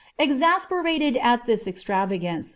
Exasperated at this exiiavagance.